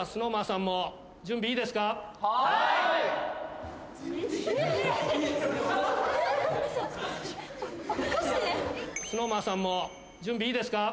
ＳｎｏｗＭａｎさんも準備いいですか？